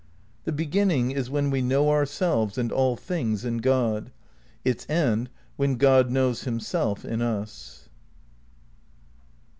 The beginnuig is when we know ourselves and all things in Grod; its end when God knows himself in us.